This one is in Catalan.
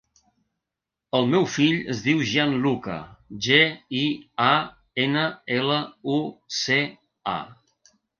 El meu fill es diu Gianluca: ge, i, a, ena, ela, u, ce, a.